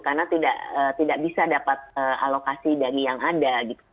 karena tidak bisa dapat alokasi dari yang ada gitu